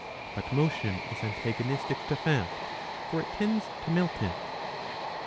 But motion is antagonistic to . fat, for it tends to melt it.